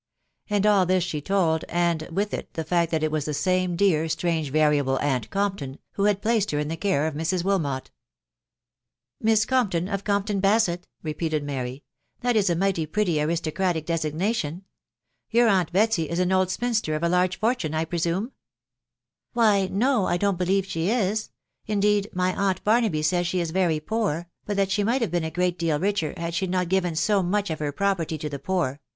And all this she toidVartd it the fact that it was this aanse dear, alsange, variable "Compton, who had placed her in ;the care of Mrs. .Wttarat. «* Miss Gernpton of Compton Basett," repeated Matty.; Glottis a nighty pretty aristocratic designation. Your aunt *etsy ds. im old spinster of Jaxge fortune, I presume?" Why ■©, I don't believe ahe is; indeed, my aunt .Bar* 4*aby says she is very poor, hut that she might have been a .great deal richer had ahe not given so much of her property to ahe poor